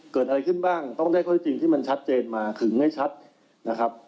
เกิดอะไรขึ้นบ้างต้องได้ข้อที่จริงที่มันชัดเจนมาถึงให้ชัดนะครับ